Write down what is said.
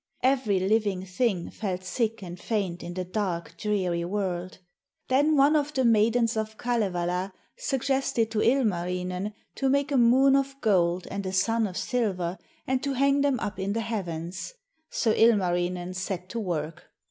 Every living thing felt sick and faint in the dark, dreary world. Then one of the maidens of Kalevala suggested to Ilmarinen to make a moon of gold and a sun of silver, and to hang them up in the heavens; so Ilmarinen set to work.